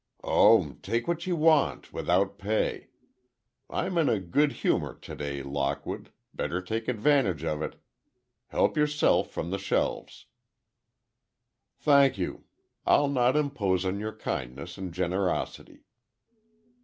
"Oh, take what you want, without pay. I'm in a good humor today, Lockwood, better take advantage of it. Help yourself from the shelves." "Thank you, I'll not impose on your kindness and generosity."